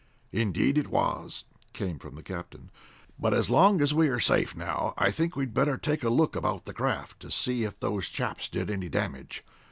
"Indeed it was," came from the captain. "But as long as we are safe now I think we'd better take a look about the craft to see if those chaps did any damage.